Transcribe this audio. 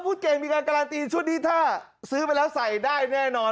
เก่งมีการการันตีชุดนี้ถ้าซื้อไปแล้วใส่ได้แน่นอน